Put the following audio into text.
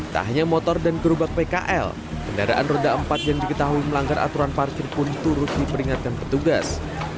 tak hanya motor dan gerobak pkl kendaraan roda empat yang diketahui melanggar aturan parkir pun turut diperingatkan petugas